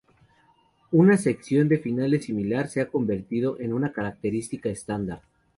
Una sección de finales similar se ha convertido en una característica estándar.